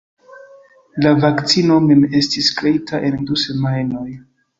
La vakcino mem estis kreita en du semajnoj.